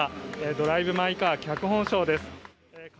「ドライブ・マイ・カー」脚本賞です。